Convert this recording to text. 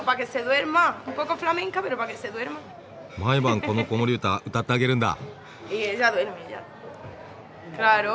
毎晩この子守歌歌ってあげるんだ？